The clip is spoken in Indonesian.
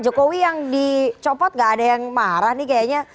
jokowi yang dicopot gak ada yang marah nih kayaknya